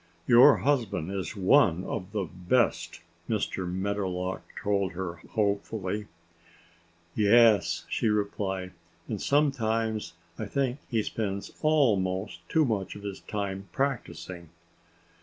"Your husband is one of the best," Mr. Meadowlark told her hopefully. "Yes!" she replied. "And sometimes I think he spends almost too much of his time practicing."